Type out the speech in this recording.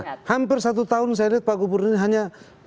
hampir satu tahun saya lihat pak gubernur ini hanya